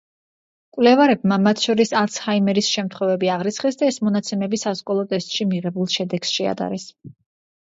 მკვლევარებმა მათ შორის ალცჰაიმერის შემთხვევები აღრიცხეს და ეს მონაცემები სასკოლო ტესტში მიღებულ შედეგებს შეადარეს.